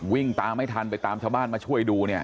วิ่งตามไม่ทันไปตามชาวบ้านมาช่วยดูเนี่ย